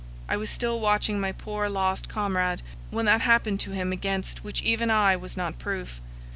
I was still watching my poor lost comrade, when that happened to him against which even I was not proof.